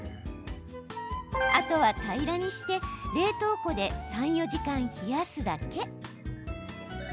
あとは平らにして冷凍庫で３、４時間冷やすだけ。